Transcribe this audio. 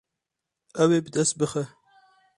Ew ê bi dest bixe.